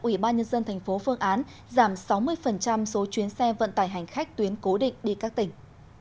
ủy ban nhân dân thành phố phương án giảm sáu mươi số chuyến xe vận tải hành khách tuyến cố định đi các tỉnh